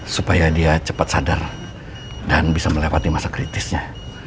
supaya dia cepat sadar dan bisa melewati masa kritisnya